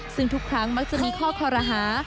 ซึ่งทุกครั้งมักจะมีข้อคอรหา